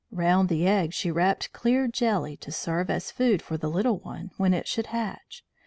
Round the egg she wrapped clear jelly to serve as food for the little one when it should hatch.